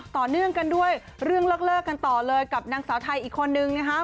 ต่อเนื่องกันด้วยเรื่องเลิกกันต่อเลยกับนางสาวไทยอีกคนนึงนะครับ